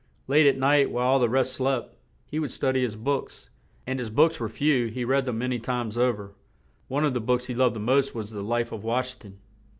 Late at night, while all the rest slept, he would stud y his books; and as books were few he read them ma ny times o ver; one of the books he loved the most was the "Life of Wash ing ton."